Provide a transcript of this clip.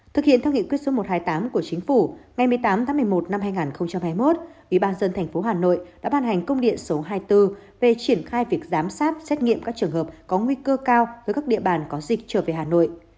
thực hiện theo nghị quyết số một trăm hai mươi tám của chính phủ ngày một mươi tám tháng một mươi một năm hai nghìn hai mươi một ubnd tp hà nội đã ban hành công điện số hai mươi bốn về triển khai việc giám sát xét nghiệm các trường hợp có nguy cơ cao với các địa bàn có dịch trở về hà nội